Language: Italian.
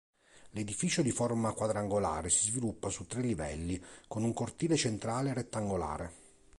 L'edificio, di forma quadrangolare, si sviluppa su tre livelli con un cortile centrale rettangolare.